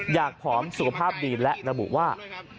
ผอมสุขภาพดีและระบุว่า